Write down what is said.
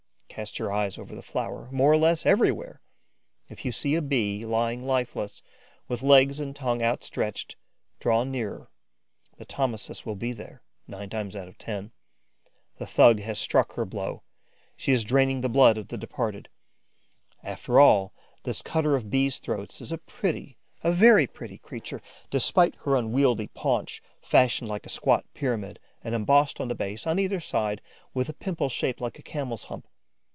Cast your eyes over the flower, more or less everywhere. If you see a Bee lying lifeless, with legs and tongue out stretched, draw nearer: the Thomisus will be there, nine times out of ten. The thug has struck her blow; she is draining the blood of the departed. After all, this cutter of Bees' throats is a pretty, a very pretty creature, despite her unwieldy paunch fashioned like a squat pyramid and embossed on the base, on either side, with a pimple shaped like a camel's hump.